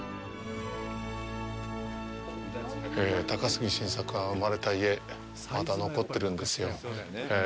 高杉晋作が生まれた家が、まだ残ってるんですよ。